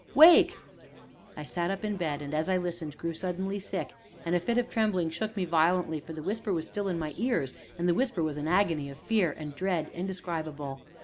wake!" I sat up in bed, and, as I listened, grew suddenly sick, and a fit of trembling shook me violently, for the whisper was still in my ears, and in the whisper was an agony of fear and dread indescribable.